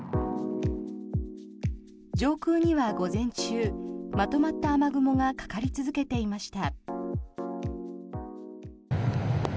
上空には午前中まとまった雨雲がかかり続けていました。